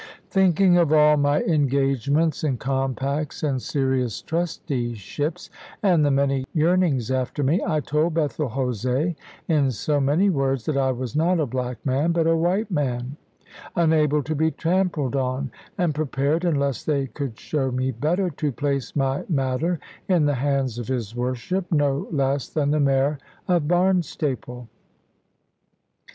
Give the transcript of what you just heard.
Thinking of all my engagements, and compacts, and serious trusteeships, and the many yearnings after me, I told Bethel Jose, in so many words, that I was not a black man, but a white man, unable to be trampled on, and prepared (unless they could show me better) to place my matter in the hands of his worship, no less than the Mayor of Barnstaple.